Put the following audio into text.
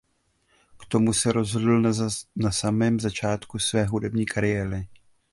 K tomu se rozhodl na samém začátku své hudební kariéry.